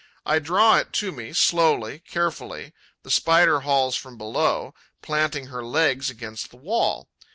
I draw it to me, slowly, carefully; the Spider hauls from below, planting her legs against the wall.